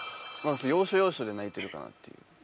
要所要所で泣いてるかなっていう。